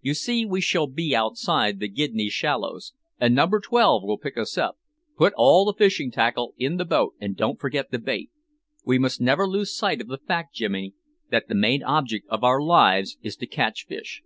You see, we shall be outside the Gidney Shallows, and number twelve will pick us up. Put all the fishing tackle in the boat, and don't forget the bait. We must never lose sight of the fact, Jimmy, that the main object of our lives is to catch fish."